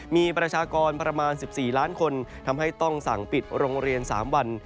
มีประชากรประมาณ๑๔ล้านคนทำให้ต้องสั่งปิดโรงเรียน๓วัน